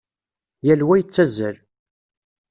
Yal wa yettazzal.